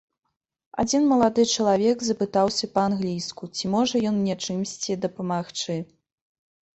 Адзін малады чалавек запытаўся па-англійску, ці можа ён мне чымсьці дапамагчы.